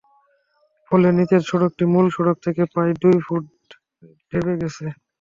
ফলে নিচের সড়কটি মূল সড়ক থেকে প্রায় দুই ফুট দেবে গেছে।